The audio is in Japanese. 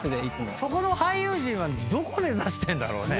そこの俳優陣はどこ目指してんだろうね。